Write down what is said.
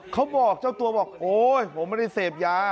เขาบอกเจ้าตัวบอกโอ๊ยผมไม่ได้เสพยา